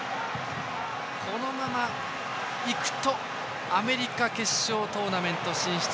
このままいくとアメリカ決勝トーナメント進出。